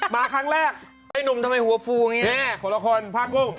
มาครั้งแรกไอ้หนุ่มทำไมหัวฟูอย่างนี้ของละครผ้ากุ้ง